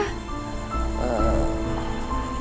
aku kerja di perusahaan papanya riri